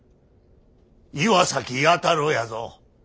岩崎弥太郎やぞ。